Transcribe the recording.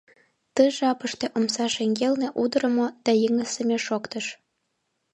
Ты жапыште омса шеҥгелне удырымо да йыҥысыме шоктыш.